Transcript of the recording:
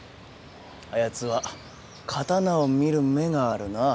あやつは刀を見る目があるな。